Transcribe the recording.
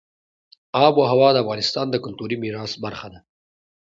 آب وهوا د افغانستان د کلتوري میراث برخه ده.